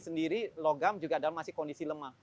sendiri logam juga dalam masih kondisi lemah